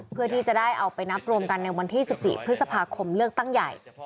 เพื่อที่จะได้เอาไปนับรวมกันในวันที่๑๔พฤษภาคมเลือกตั้งใหญ่